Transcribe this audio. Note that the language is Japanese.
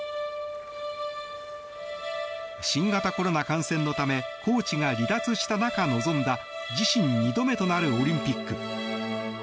新型コロナ感染のためコーチが離脱した中臨んだ自身２度目となるオリンピック。